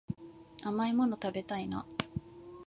甘いもの食べたいな